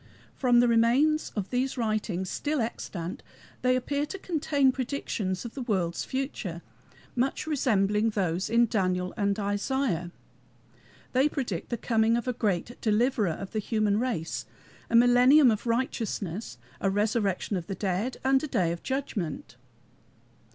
From the remains of these writings, still extant, they appear to contain predictions of the world's future, much resembling those of Daniel and Isaiah. They predict the coming of a Great Deliverer of the human race, a millennium of righteousness, a resurrection of the dead, and a Day of Judgment.